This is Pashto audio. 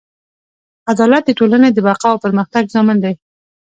عدالت د ټولنې د بقا او پرمختګ ضامن دی.